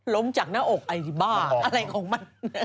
จากหน้าอกไอซิบ้าอะไรของมัน